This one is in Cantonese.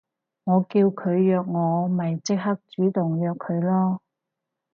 我叫佢約我咪即係主動約佢囉